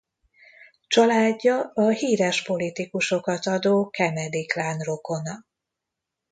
Családja a híres politikusokat adó Kennedy-klán rokona.